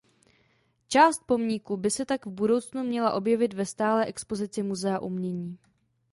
Část pomníku by se tak v budoucnu měla objevit ve stálé expozici Muzea umění.